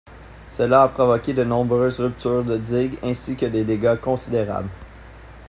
Cela a provoqué de nombreuses ruptures de digues ainsi que des dégâts considérables.